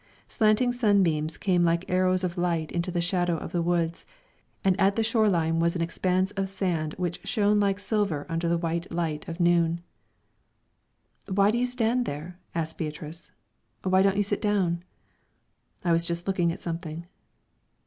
Slanting sunbeams came like arrows of light into the shadow of the woods, and at the shore line was an expanse of sand which shone like silver under the white light of noon. "Why do you stand there?" asked Beatrice. "Why don't you sit down?" "I was just looking at something."